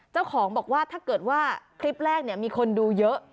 เจ้าของบอกว่าถ้าเกิดว่าคลิปแรกมีคนดูเยอะ